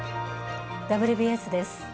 「ＷＢＳ」です。